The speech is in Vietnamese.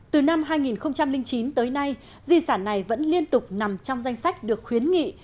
từ năm hai nghìn chín tới nay di sản này vẫn liên tục nằm trong danh sách được khuyến nghị